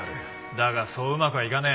だがそううまくはいかねえ。